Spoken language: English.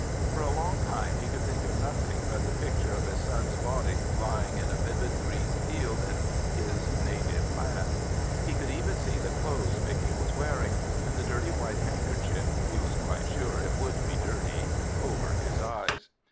For a long time he could think of nothing but the picture of his son's body lying in a vivid green field in his native land: he could even see the clothes Micky was wearing, and the dirty white handkerchief (he was quite sure it would be dirty) over his eyes.